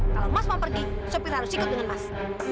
kalau mas mau pergi sopir harus ikut dengan mas